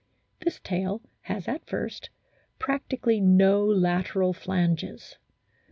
This tail has at first practically no lateral flanges.